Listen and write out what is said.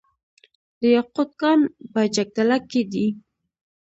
د یاقوت کان په جګدلک کې دی